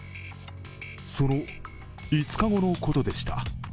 その５日後のことでした。